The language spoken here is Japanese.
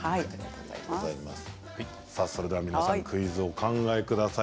皆さんクイズをお考えください。